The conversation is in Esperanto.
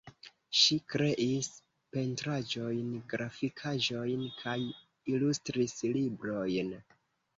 Ŝi kreis pentraĵojn, grafikaĵojn kaj ilustris librojn.